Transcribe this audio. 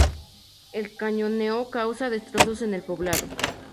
El cañoneo causa destrozos en el poblado.